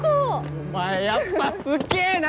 お前やっぱすげぇな！